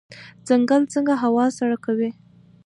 ځنګل څنګه هوا سړه کوي؟